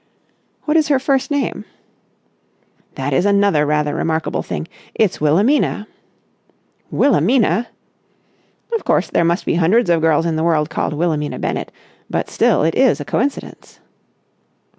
"What is her first name?" "That is another rather remarkable thing. It's Wilhelmina." "Wilhelmina!" "Of course, there must be hundreds of girls in the world called Wilhelmina Bennett, but still it is a coincidence."